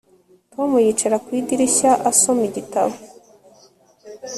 Tom yicaye ku idirishya asoma igitabo